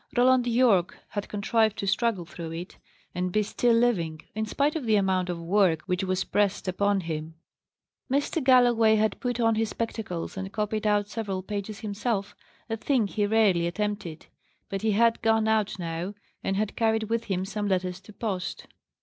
Roland Yorke had contrived to struggle through it, and be still living, in spite of the amount of work which was pressed upon him. Mr. Galloway had put on his spectacles and copied out several pages himself a thing he rarely attempted. But he had gone out now, and had carried with him some letters to post.